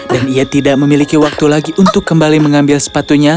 dan ia tidak memiliki waktu lagi untuk kembali mengambil sepatunya